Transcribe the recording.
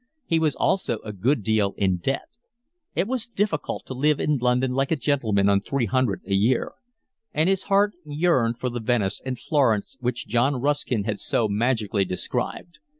He was also a good deal in debt: it was difficult to live in London like a gentleman on three hundred a year; and his heart yearned for the Venice and Florence which John Ruskin had so magically described.